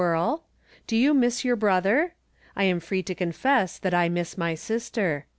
Do you miss your brother? I am free to confess that I miss my sister.